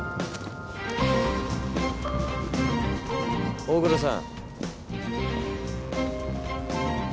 大黒さん。